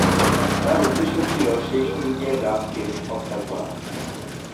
তার উদ্দেশ্য ছিল সেই সুযোগে রামকে হত্যা করা।